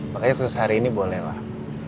makanya aku selesai hari ini boleh pak